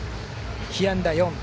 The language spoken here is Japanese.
被安打４。